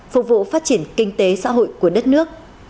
phục vụ phát triển kinh tế xã hội của đất nước